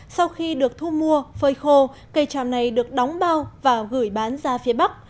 sau khi được thu mua phơi khô cây tràm này được đóng bao và gửi bán ra phía bắc